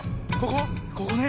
ここね。